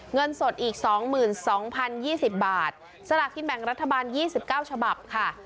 เงินสดอีกสองหมื่นสองพันยี่สิบบาทสลักกิจแบ่งรัฐบาลยี่สิบเก้าฉบับค่ะ